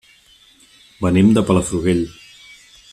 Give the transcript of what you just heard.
Venim de Palafrugell.